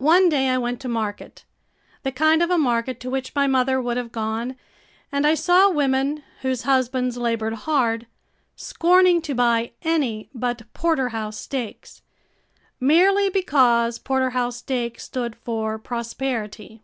One day I went to market the kind of a market to which my mother would have gone and I saw women whose husbands labored hard, scorning to buy any but porterhouse steaks merely because porterhouse steak stood for prosperity.